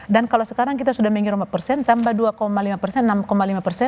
dan kalau sekarang kita sudah mengiur lima tambah dua lima enam lima